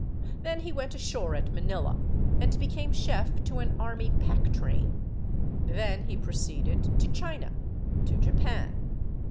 Then he went ashore at Manila and became chef to an army packtrain. Then he proceeded to China, to Japan.